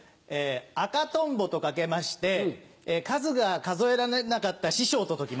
赤とんぼと掛けまして数が数えられなかった師匠と解きます。